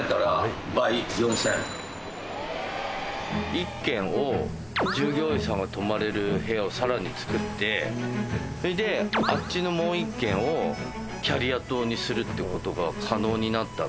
１軒を従業員さんが泊まれる部屋をさらに作ってであっちのもう１軒をキャリア棟にするってことが可能になったんで。